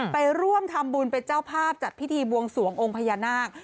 ไปร่วมทำบุญเป็นเจ้าภาพจัดพิธีบวงสวงองค์พญานาค